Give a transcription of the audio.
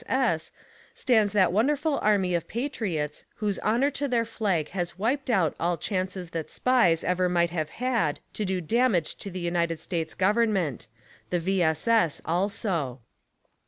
S. S. S., stands that wonderful army of patriots w 'ho'se honor to their flag has wiped out all chances that Spies ever might have had to do damage to the UNITED STATES GOV ERNMENT — the V. S. S. also.